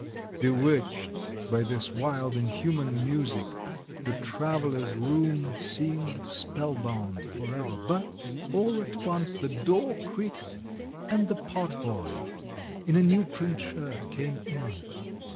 Bewitched by this wild, inhuman music the "travellers' room" seemed spellbound for ever, but all at once the door creaked and the potboy, in a new print shirt, came in.